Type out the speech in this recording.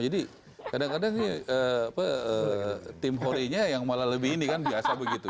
jadi kadang kadang nih tim hore nya yang malah lebih ini kan biasa begitu